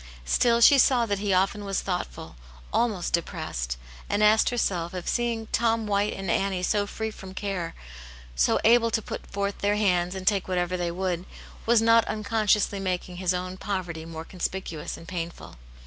Still she saw that he often was thoughtful, almost depressed, and asked 178 Aunt Janets Hero, herself if seeing Tom WHIte and Annie so free from care, so able to put forth their hands and take what ever they would, was not unconsciously making his own poverty more conspicuous and painful.